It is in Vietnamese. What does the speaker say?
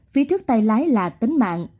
phía trước tay lái là tính mạng